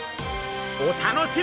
お楽しみに！